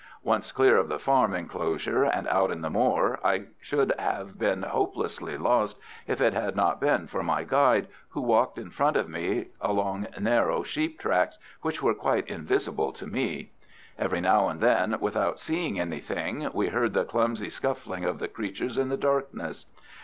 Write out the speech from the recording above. Once clear of the farm inclosure and out on the moor I should have been hopelessly lost if it had not been for my guide, who walked in front of me along narrow sheep tracks which were quite invisible to me. Every now and then, without seeing anything, we heard the clumsy scuffling of the creatures in the darkness.